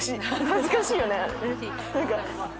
恥ずかしいよねあれ。